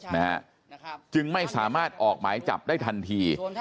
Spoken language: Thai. นะฮะจึงไม่สามารถออกหมายจับได้ทันที